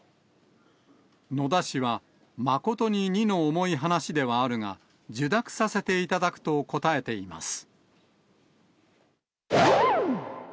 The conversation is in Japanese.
野田氏は誠に荷の重い話ではあるが、受諾させていただくと答えています。